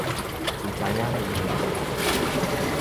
毋知影伊的情形